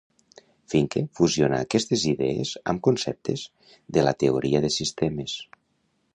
Finke fusiona aquestes idees amb conceptes de la teoria de sistemes.